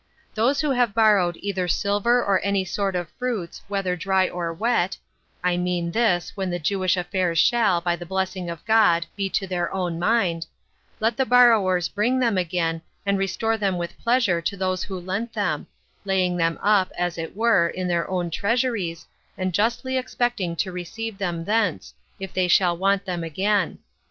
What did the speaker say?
26. Those who have borrowed either silver or any sort of fruits, whether dry or wet, [I mean this, when the Jewish affairs shall, by the blessing of God, be to their own mind,] let the borrowers bring them again, and restore them with pleasure to those who lent them, laying them up, as it were, in their own treasuries, and justly expecting to receive them thence, if they shall want them again.